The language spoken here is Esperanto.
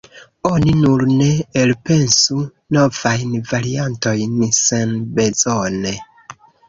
Oni nur ne elpensu novajn variantojn senbezone.